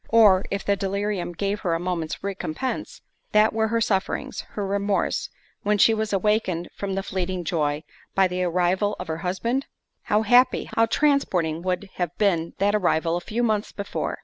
Or, if the delirium gave her a moment's recompence, what were her sufferings, her remorse, when she was awakened from the fleeting joy, by the arrival of her husband? How happy, how transporting would have been that arrival a few months before!